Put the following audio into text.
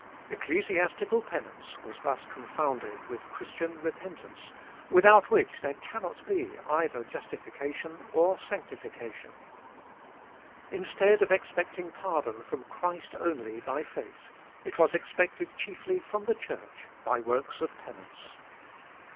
Ecclesiastical penance was thus confounded with Christian repentance, without which there cannot be either justification or sanctification. Instead of expecting pardon from Christ only by faith, it was expected chiefly from the Church by works of penance.